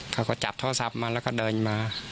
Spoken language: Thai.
เขาก็จับโทรศัพท์มาแล้วก็เดินมา